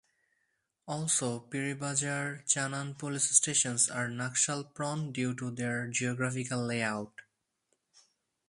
Also, Piribazar, Chanan police stations are naxal-prone due to their geographical layout.